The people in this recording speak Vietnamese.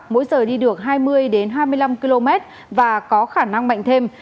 mỗi giờ đi được hai mươi hai mươi năm km và có khả năng mạnh thêm